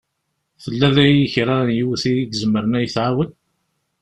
Tella daki kra n yiwet i izemren ad yi-tɛawen?